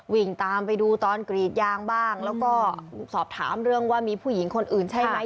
วิ่งตามไปดูตอนกรีดยางบ้างแล้วก็สอบถามเรื่องว่ามีผู้หญิงคนอื่นใช่ไหม